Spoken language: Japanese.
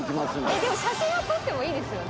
でも写真は撮ってもいいですよね？